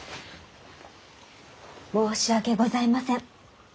申し訳ございません。